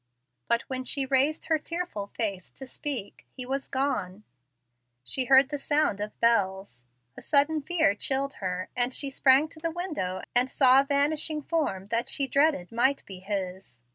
But when she raised her tearful face to speak, he was gone. She heard the sound of bells. A sudden fear chilled her, and she sprang to the window and saw a vanishing form that she dreaded might be his.